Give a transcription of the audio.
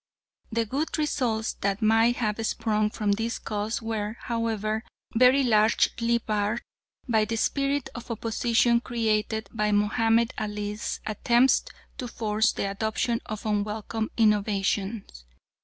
The good results that might have sprung from this cause were, however, very largely barred by the spirit of opposition created by Mahomed Ali's attempts to force the adoption of unwelcome innovations.